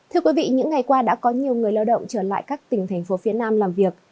thưa quý vị những ngày qua đã có nhiều người lao động trở lại các tỉnh thành phố phía nam làm việc